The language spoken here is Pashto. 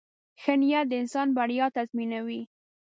• ښه نیت د انسان بریا تضمینوي.